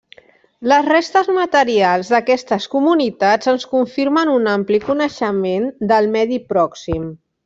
Les restes materials d'aquestes comunitats ens confirmen un ampli coneixement del medi pròxim.